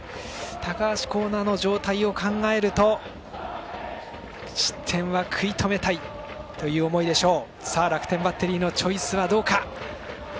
高橋光成の状態を考えると失点は食い止めたいという思いでしょう。